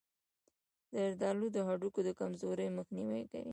زردآلو د هډوکو د کمزورۍ مخنیوی کوي.